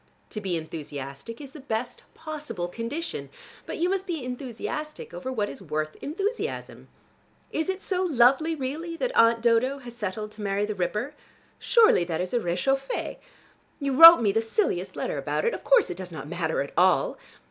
To be enthusiastic is the best possible condition, but you must be enthusiastic over what is worth enthusiasm. Is it so lovely really, that Aunt Dodo has settled to marry the Ripper? Surely that is a rechauffée. You wrote me the silliest letter about it. Of course it does not matter at all.